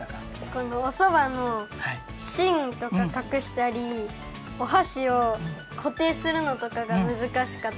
このおそばのしんとかかくしたりおはしをこていするのとかがむずかしかったです。